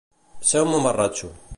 Ser un mamarratxo.